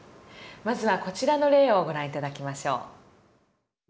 まずはこちらの例をご覧頂きましょう。